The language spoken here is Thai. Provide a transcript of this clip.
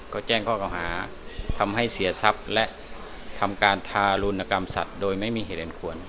ก็แจ้งข้อเก่าหาทำให้เสียทรัพย์และทำการทารุณกรรมสัตว์โดยไม่มีเหตุอันควร